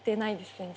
全然。